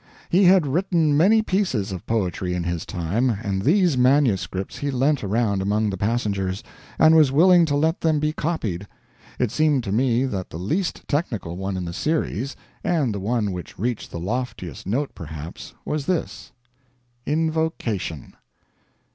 He had written many pieces of poetry in his time, and these manuscripts he lent around among the passengers, and was willing to let them be copied. It seemed to me that the least technical one in the series, and the one which reached the loftiest note, perhaps, was his: INVOCATION.